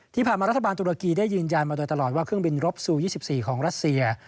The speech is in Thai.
ที่ผ่านมารัฐบาลตุรกีได้ยืนยันมาโดยตลอดว่าเครื่องบินรบซู๒๔ของรัสเซีย